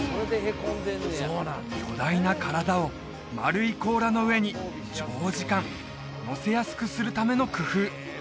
巨大な体を丸い甲羅の上に長時間のせやすくするための工夫